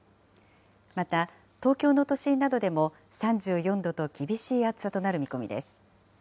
また、東京の都心などでも、３４度と厳しい暑さとなる見込みです。